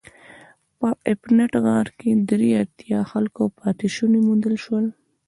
په افنټ غار کې د درې اتیا خلکو پاتې شوني موندل شول.